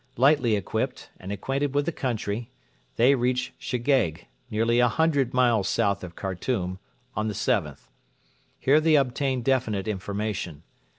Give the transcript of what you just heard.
Lightly equipped, and acquainted with the country, they reached Shegeig, nearly a hundred miles south of Khartoum, on the 7th. Here they obtained definite information.